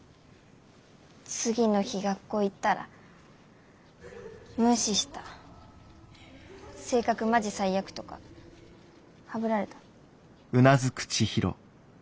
次の日学校行ったら「無視した」「性格マジ最悪」とかはぶられた？